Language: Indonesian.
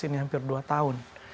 ini hampir dua tahun